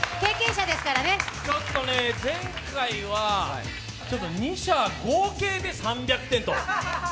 ちょっと前回は２射合計で３００点と。